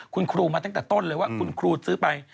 คุณครูมาตั้งแต่ต้นเลยว่าคุณครูซื้อไป